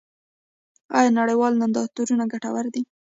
آیا نړیوال نندارتونونه ګټور دي؟